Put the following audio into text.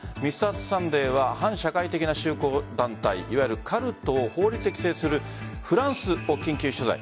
「Ｍｒ．サンデー」は反社会的な宗教団体いわゆるカルトを法律で規制するフランスを緊急取材。